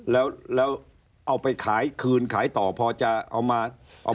แล้วเอาไปขายคืนขายต่อพอจะเอามาเอา